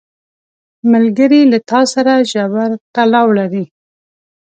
ملګری له تا سره ژور تړاو لري